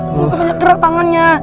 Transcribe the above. bukan sebanyak gerak tangannya